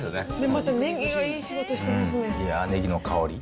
またネギがいい仕事してますよね。